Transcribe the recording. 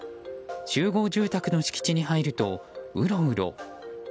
集合住宅の敷地に入るとウロウロ。